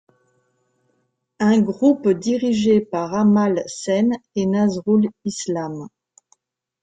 Un groupe dirigé par Amal Sen et Nazrul Islam.